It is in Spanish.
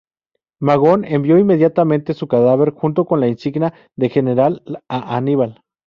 Magón envió inmediatamente su cadáver, junto con la insignia de general, a Aníbal.